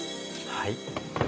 はい。